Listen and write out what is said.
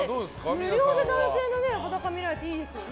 無料で男性の裸が見られていいですね。